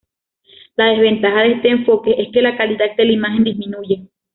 La desventaja de este enfoque es que la calidad de la imagen disminuye.